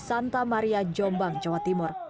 santa maria jombang jawa timur